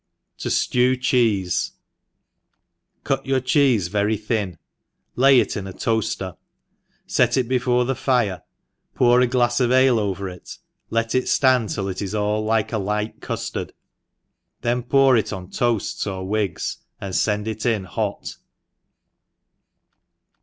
Tojiew Cheese. CUT your chee& very thin, lay it in a toafter, fet it before the .fire, pour a glafs of ale over it, let it ftand till it is all like a light cuftard, then pour it on toafts or wigs, and fend it in hot.